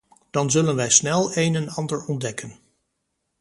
Dan zullen wij snel een en ander ontdekken.